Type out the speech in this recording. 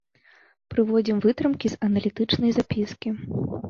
Прыводзім вытрымкі з аналітычнай запіскі.